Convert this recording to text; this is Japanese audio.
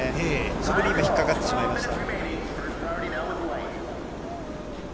そこに今、引っ掛かってしまいました。